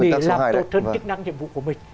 để làm tổ chức năng nhiệm vụ của mình